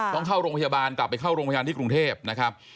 ต้องเข้าโรงพยาบาลกลับไปเข้าโรงพยาบาลที่กรุงเทพนะครับ